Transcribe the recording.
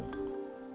kinda banget ya